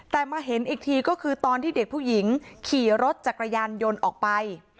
แต่มาเห็นอีกทีก็คือตอนที่เด็กผู้หญิงขี่รถจักรยานยนต์ออกไป